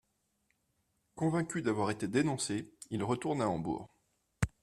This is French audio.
Convaincu d'avoir été dénoncé, il retourne à Hambourg...